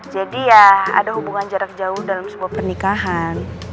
ya ada hubungan jarak jauh dalam sebuah pernikahan